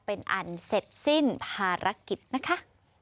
เป็นอันเสร็จสิ้นภารกิจนะคะ